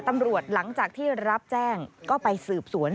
หลังจากที่รับแจ้งก็ไปสืบสวน